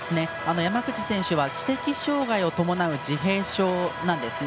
山口選手は知的障がいを伴う自閉症なんですね。